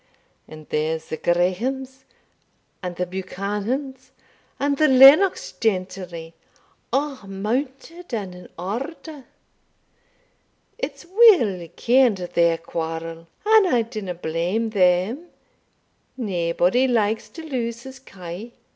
And there's the Grahames, and the Buchanans, and the Lennox gentry, a' mounted and in order It's weel ken'd their quarrel; and I dinna blame them naebody likes to lose his kye.